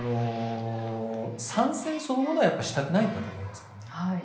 参戦そのものはしたくないんだと思います。